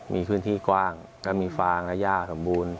มีพื้นที่กว้างก็มีฟางและย่าสมบูรณ์